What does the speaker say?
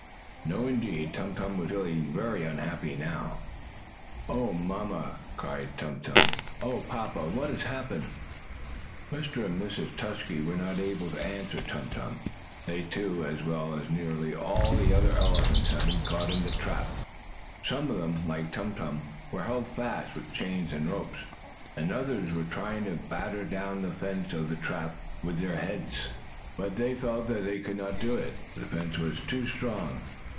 No, indeed! Tum Tum was feeling very unhappy now. "Oh, mamma!" Tum Tum cried. "Oh, papa! What has happened?" Mr. and Mrs. Tusky were not able to answer Tum Tum. They, too, as well as nearly all the other elephants, had been caught in the trap. Some of them, like Tum Tum, were held fast with chains and ropes, and others were trying to batter down the fence of the trap with their heads. But they felt that they could not do it, as the fence was too strong.